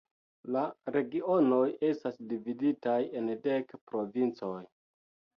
La Regionoj estas dividitaj en dek provincoj.